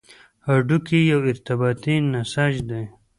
هډوکی یو ارتباطي نسج دی.